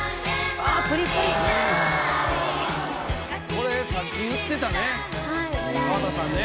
これさっき言ってたね河田さんね。